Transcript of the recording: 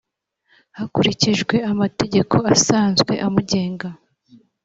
hakurikijwe amategeko asanzwe amugenga